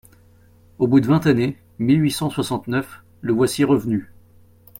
Au bout de vingt années, mille huit cent soixante-neuf, le voici revenu.